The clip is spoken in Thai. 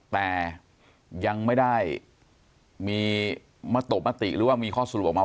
แต่ยังไม่ได้มีมตบมติหรือว่ามีข้อสรุปออกมา